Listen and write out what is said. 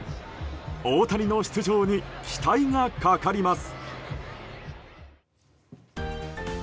大谷の出場に期待がかかります。